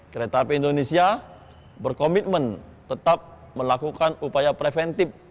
kereta api indonesia berkomitmen tetap melakukan upaya preventif